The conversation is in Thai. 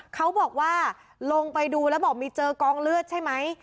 เขาบอกว่าลงไปดูแล้วบอกมีเจอกองเลือดใช่ไหม